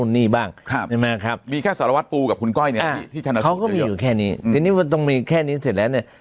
เขาก็มีอยู่แค่นี้แต่นี่ว่าต้องมีแค่นี้เสร็จแล้วเนี่ย